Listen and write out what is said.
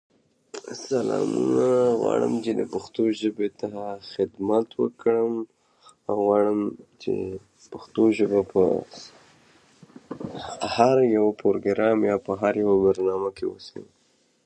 ازادي راډیو د حیوان ساتنه وضعیت انځور کړی.